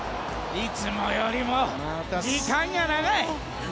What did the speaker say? いつもよりも時間が長い！